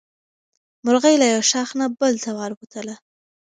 مرغۍ له یو ښاخ نه بل ته والوتله.